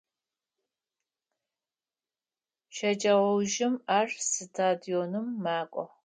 Щэджэгъоужым ар стадионым макӏо.